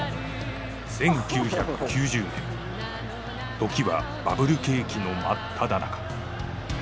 時はバブル景気の真っただ中。